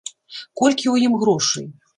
Колькі ў ім грошай?